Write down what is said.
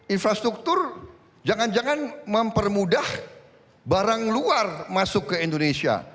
infrastruktur jangan jangan mempermudah barang luar masuk ke indonesia